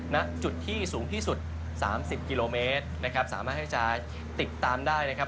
ณจุดที่สูงที่สุด๓๐กิโลเมตรนะครับสามารถที่จะติดตามได้นะครับ